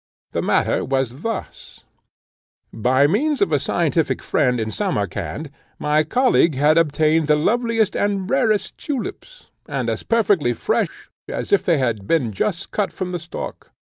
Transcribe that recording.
The matter was thus: by means of a scientific friend in Samarcand, my colleague had obtained the loveliest and rarest tulips, and as perfectly fresh as if they had been just cut from the stalk.